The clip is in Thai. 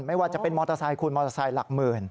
ไม่ว่าจะเป็นมอเตอร์ไซค์คุณมอเตอร์ไซค์หลักหมื่น